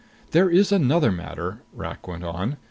"There is another matter," Rak went on.